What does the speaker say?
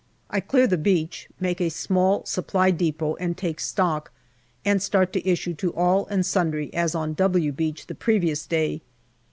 I clear the beach, make a small Supply depot and take stock, and start to issue to all and sundry as on " W" Beach the previous day.